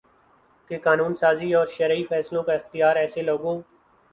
کہ قانون سازی اور شرعی فیصلوں کا اختیار ایسے لوگوں